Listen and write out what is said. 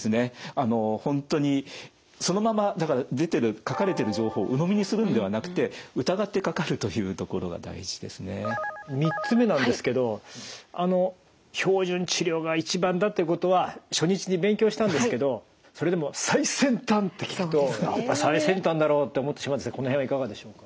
あの本当にそのまま出てる書かれてる３つ目なんですけどあの標準治療が一番だってことは初日に勉強したんですけどそれでも最先端って聞くとやっぱり最先端だろって思ってしまうんですがこの辺はいかがでしょうか？